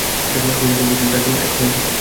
আপনি যা করতে চান, তা এখন এককথায় অসম্ভব।